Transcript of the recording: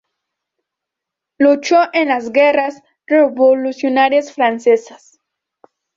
Luchó en las Guerras Revolucionarias Francesas.